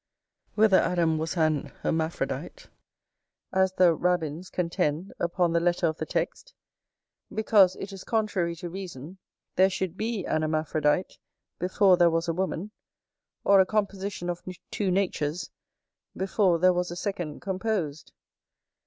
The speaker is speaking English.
Whether Adam was an hermaphrodite, as the rabbins contend upon the letter of the text; because it is contrary to reason, there should be an hermaphrodite before there was a woman, or a composition of two natures, before there was a second composed.